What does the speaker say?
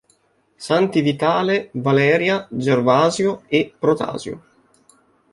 Santi Vitale, Valeria, Gervasio e Protasio